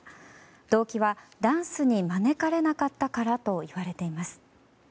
動機はダンスに招かれなかったからといわれています。